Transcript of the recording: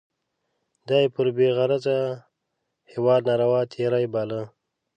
دا یې پر بې غرضه هیواد ناروا تېری باله.